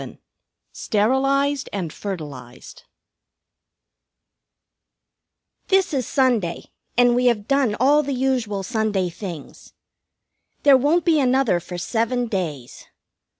VII "STERILIZED AND FERTILIZED" This is Sunday, and we have done all the usual Sunday things. There won't be another for seven days.